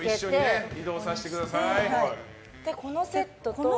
このセットと。